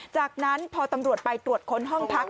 จากนั้นพอตำรวจไปตรวจค้นห้องพัก